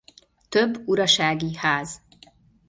Több urasági ház.